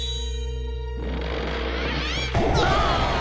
うわ！